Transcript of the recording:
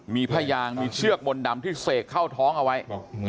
มีผ้ายางมีเชือกมนต์ดำที่เสกเข้าท้องเอาไว้